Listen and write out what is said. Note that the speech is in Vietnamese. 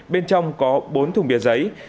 bên trong có bốn thùng bia giấy